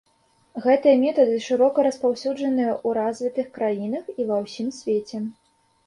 Гэтыя метады шырока распаўсюджаныя ў развітых краінах і ва ўсім свеце.